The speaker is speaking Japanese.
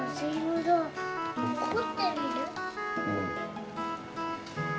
ほってみる。